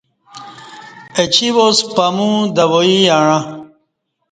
اہ چی واس پمو دوای یعں